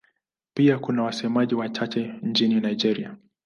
Pia kuna wasemaji wachache nchini Nigeria.